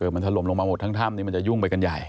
มันถล่มลงมาหมดทั้งถ้ำนี้มันจะยุ่งไปกันใหญ่